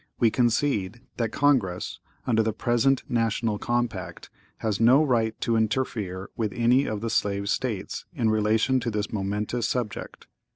We concede that Congress, under the present national compact, has no right to interfere with any of the slave States, in relation to this momentous subject.